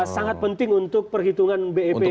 sangat penting untuk perhitungan bep